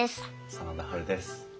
真田ハルです。